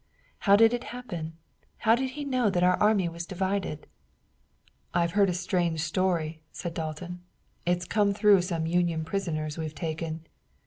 How did it happen? How did he know that our army was divided?" "I've heard a strange story," said Dalton. "It's come through some Union prisoners we've taken.